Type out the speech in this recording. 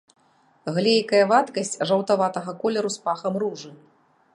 Глейкая вадкасць жаўтаватага колеру з пахам ружы.